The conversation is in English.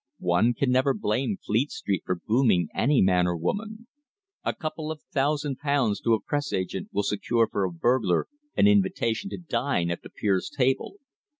One can never blame Fleet Street for "booming" any man or woman. A couple of thousand pounds to a Press agent will secure for a burglar an invitation to dine at a peer's table.